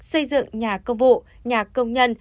xây dựng nhà công vụ nhà công nhân